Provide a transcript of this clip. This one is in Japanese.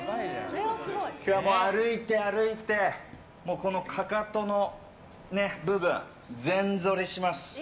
今日は歩いて歩いてこのかかとの部分全ぞりします。